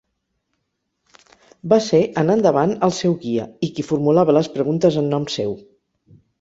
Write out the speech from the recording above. Va ser, en endavant, el seu guia, i qui formulava les preguntes en nom seu.